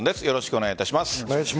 よろしくお願いします。